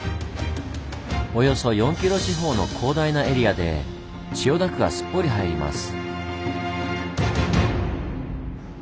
およそ４キロ四方の広大なエリアで千代田区がすっぽり入ります。